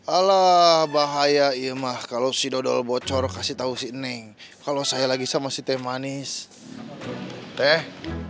alah bahaya iya mah kalau si dodol bocor kasih tahu si neng kalau saya lagi sama si teh manis teh